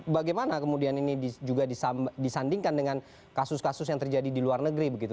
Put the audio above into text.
bagaimana kemudian ini juga disandingkan dengan kasus kasus yang terjadi di luar negeri begitu